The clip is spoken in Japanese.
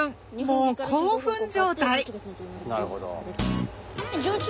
もう興奮状態